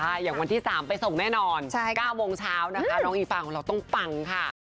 อย่างวันที่๓ไปส่งแน่นอน๙โมงเช้านะคะน้องอีฟางของเราต้องปังค่ะ